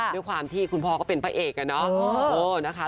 ด้วยความที่คุณพ่อก็เป็นพระเอกอะเนาะ